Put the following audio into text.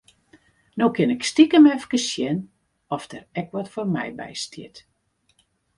No kin ik stikem efkes sjen oft der ek wat foar my by stiet.